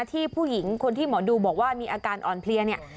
ผู้หญิงคนที่หมอดูบอกว่ามีอาการอ่อนเพลียเนี่ย